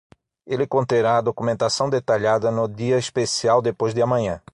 Ele conterá a documentação detalhada no dia especial depois de amanhã.